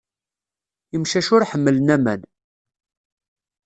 Imcac ur ḥemmlen aman.